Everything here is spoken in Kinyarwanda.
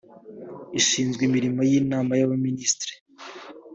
ishinzwe imirimo y’inama y’abaminisitiri